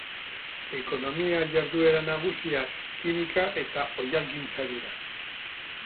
Ekonomia jarduera nagusiak kimika eta oihalgintza dira.